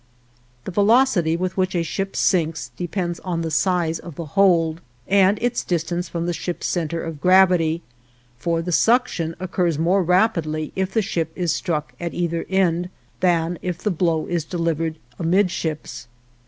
The velocity with which a ship sinks depends on the size of the hold, and its distance from the ship's center of gravity, for the suction occurs more rapidly if the ship is struck at either end than if the blow is delivered amidships.